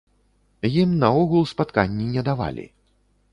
Ім наогул спатканні не давалі.